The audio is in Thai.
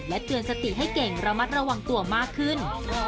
เตือนสติให้เก่งระมัดระวังตัวมากขึ้น